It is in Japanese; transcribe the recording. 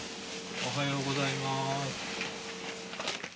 おはようございます。